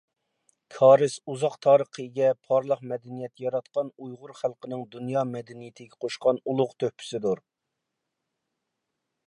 كارىز ئۇزاق تارىخقا ئىگە، پارلاق مەدەنىيەت ياراتقان ئۇيغۇر خەلقىنىڭ دۇنيا مەدەنىيىتىگە قوشقان ئۇلۇغ تۆھپىسىدۇر.